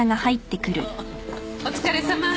お疲れさま。